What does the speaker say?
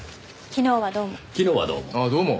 昨日はどうも。